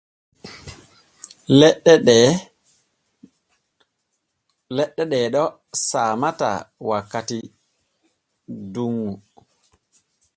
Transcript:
Leɗɗe ɗee ɗo saamataa wakkati dunŋu.